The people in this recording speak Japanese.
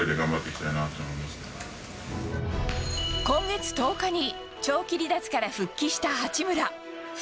今月１０日に長期離脱から復帰した八村。